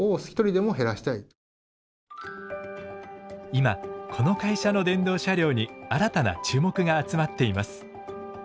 今この会社の電動車両に新たな注目が集まっています。